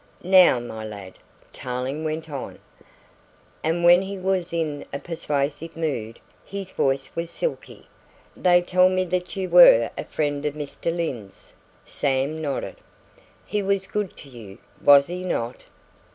"Now, my lad," Tarling went on and when he was in a persuasive mood his voice was silky "they tell me that you were a friend of Mr. Lyne's." Sam nodded. "He was good to you, was he not?"